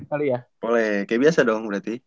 boleh kayak biasa dong berarti